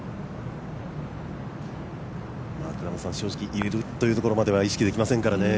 正直、入れるところまでは意識できませんからね。